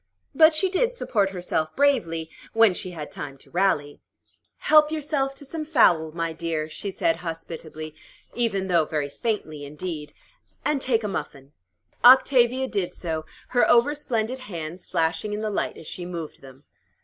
But she did support herself bravely, when she had time to rally. "Help yourself to some fowl, my dear," she said hospitably, even though very faintly indeed, "and take a muffin." Octavia did so, her over splendid hands flashing in the light as she moved them.